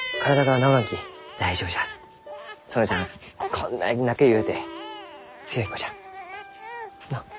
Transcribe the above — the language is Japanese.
こんなに泣けるゆうて強い子じゃ。